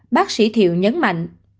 bác sĩ thiệu nhấn mạnh